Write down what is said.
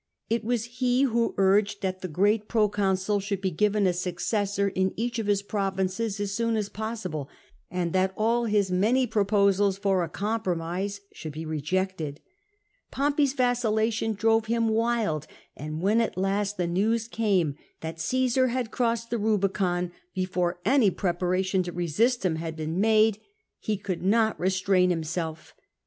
It was he who urged that the great pro consul should be given a successor in each of his provinces as soon as possible, and that all his many proposals for a compromise should be rejected. Pompey 's vacillation drove him wild, and when at last the news came that Caesar had crossed the Rubicon before any preparation to resist him had been made, he could not restrain himself.